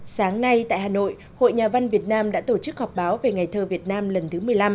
sáng nay tại hà nội hội nhà văn việt nam đã tổ chức họp báo về ngày thơ việt nam lần thứ một mươi năm